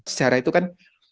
sejarah itu kan